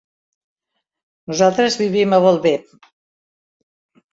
Nosaltres vivim a Bolbait.